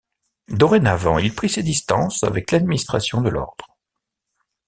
Dorénavant, il prit ses distances avec l'administration de l'ordre.